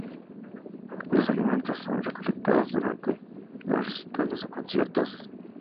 Los alimentos son recolectados durante los recitales o conciertos.